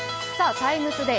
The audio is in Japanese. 「ＴＩＭＥＴＯＤＡＹ」